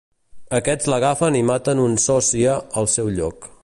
Aquests l'agafen i maten un sòsia al seu lloc.